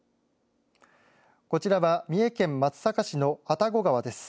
こちらは三重県松阪市の愛宕川です。